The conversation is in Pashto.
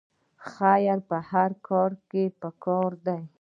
خیر په هر کار کې پکار دی